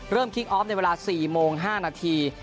คิกออฟในเวลา๔โมง๕นาที